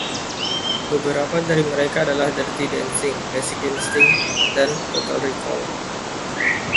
Beberapa dari mereka adalah "Dirty Dancing", "Basic Instinct", dan "Total Recall".